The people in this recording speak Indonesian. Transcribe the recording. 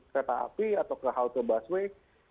kereta api atau ke halte busway